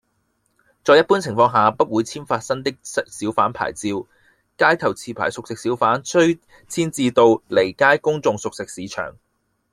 在一般情況下不會簽發新的小販牌照，街頭持牌熟食小販須遷置到離街公眾熟食市場